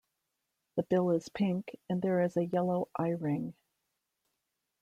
The bill is pink, and there is a yellow eye-ring.